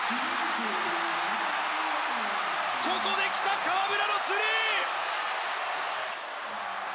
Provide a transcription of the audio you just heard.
ここで来た、河村のスリー！